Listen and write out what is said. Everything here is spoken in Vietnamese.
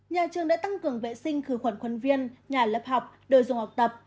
nhà trường đã tăng cường vệ sinh khử khuẩn khuân viên nhà lớp học đồ dùng học tập